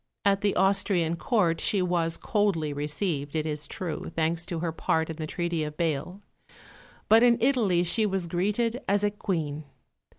At the Austrian Court she was coldly received, it is true, thanks to her part in the Treaty of Bâle; but in Italy she was greeted as a Queen.